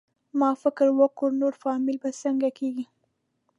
ما فکر وکړ نور فامیل به څنګه کېږي؟